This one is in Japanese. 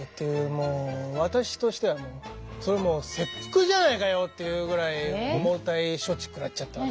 もう私としてはそれ切腹じゃないかよっていうぐらい重たい処置くらっちゃったわけ。